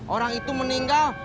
orang itu meninggal